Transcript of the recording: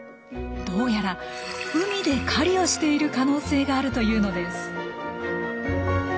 どうやら海で狩りをしている可能性があるというのです。